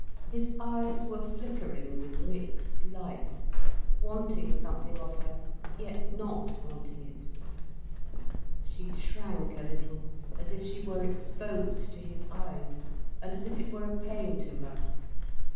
His eyes were flickering with mixed lights, wanting something of her, yet not wanting it. She shrank a little, as if she were exposed to his eyes, and as if it were a pain to her.